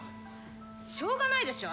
しょうがないでしょ